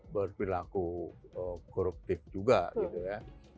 berperilaku koruptif juga gitu ya